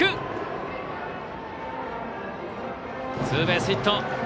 ツーベースヒット。